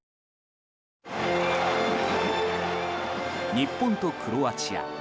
日本とクロアチア